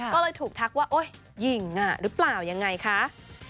ก็เลยถูกทักว่าโอ๊ยหญิงหรือเปล่ายังไงคะ